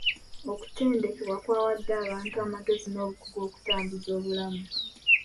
Okutendekebwa kwawadde abantu amagezi n'obukugu okutambuza obulamu.